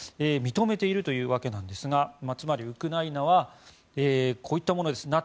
認めているというわけなんですがつまりウクライナはこういったものです。